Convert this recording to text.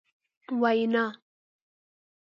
وینا ...